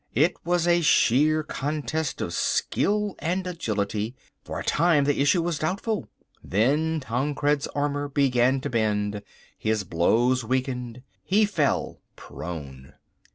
It was a sheer contest of skill and agility. For a time the issue was doubtful. Then Tancred's armour began to bend, his blows weakened, he fell prone.